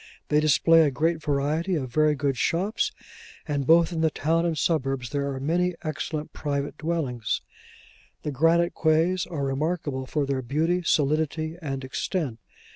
They display a great variety of very good shops; and both in the town and suburbs there are many excellent private dwellings. The granite quays are remarkable for their beauty, solidity, and extent.